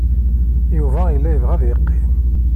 Yuba yella yebɣa ad yeqqim.